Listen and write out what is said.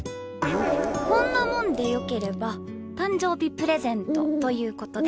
こんなモンでよければ誕生日プレゼントということで。